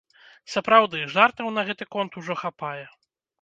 Сапраўды, жартаў на гэты конт ужо хапае.